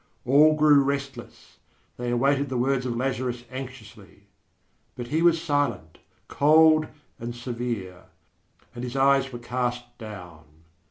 All grew restless; they awaited the words of Lazarus anxiously. But he was silent, cold and severe, and his eyes were cast down.